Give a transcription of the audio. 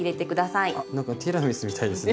なんかティラミスみたいですね。